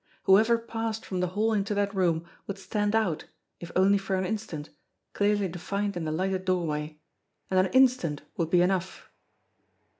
Who ever passed from the hall into that room would stand out, if only for an instant, clearly defined in the lighted doorway and an instant would be enough!